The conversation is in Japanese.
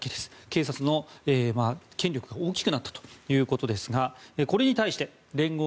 警察の権力が大きくなったということですがこれに対して聯合